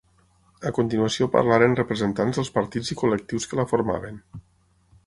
A continuació parlaren representants dels partits i col·lectius que la formaven.